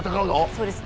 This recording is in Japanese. そうです。